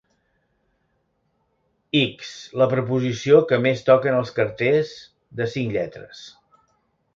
X La preposició que més toquen els carters, de cinc lletres.